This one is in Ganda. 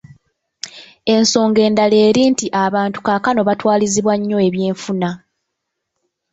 Ensonga endala eri nti abantu kaakano batwalizibbwa nnyo ebyenfuna.